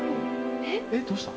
えっどうした？